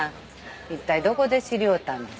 一体どこで知り合うたんです？